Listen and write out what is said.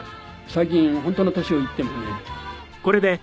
最近本当の年を言ってもね